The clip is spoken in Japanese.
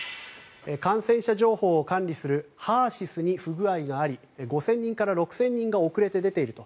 感染者情報を管理するＨＥＲ−ＳＹＳに不具合があり５０００人から６０００人が遅れて出ていると。